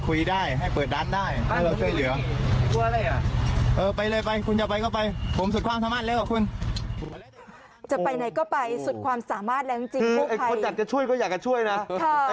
คือคนอยากจะช่วยก็อยากจะช่วยนะ